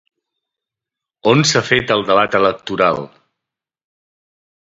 On s'ha fet el debat electoral?